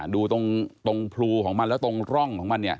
ดูตรงพลูของมันแล้วตรงร่องของมันเนี่ย